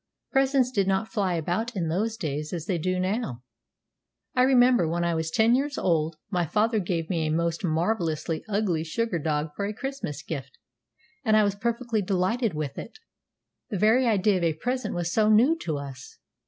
Presents did not fly about in those days as they do now. I remember, when I was ten years old, my father gave me a most marvellously ugly sugar dog for a Christmas gift, and I was perfectly delighted with it, the very idea of a present was so new to us."